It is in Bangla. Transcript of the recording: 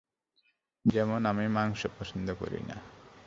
যেমন, আমি মাংস পছন্দ করি না।